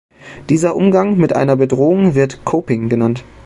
Dieser Umgang mit einer Bedrohung wird "Coping" genannt.